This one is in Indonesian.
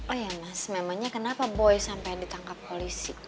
oh ya mas memangnya kenapa boy sampai ditangkap polisi